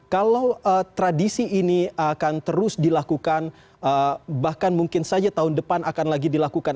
kalau tradisi ini akan terus dilakukan bahkan mungkin saja tahun depan akan lagi dilakukan